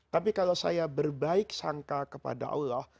tapi kalau saya berbaik sangka kepada allah